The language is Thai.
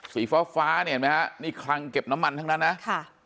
สีฟ้าฟ้าเนี่ยเห็นไหมฮะนี่คลังเก็บน้ำมันทั้งนั้นนะค่ะ